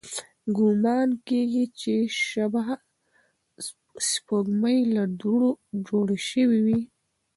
ګومان کېږي، شبح سپوږمۍ له دوړو جوړې شوې وي.